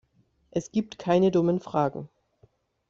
Es gibt keine dummen Fragen.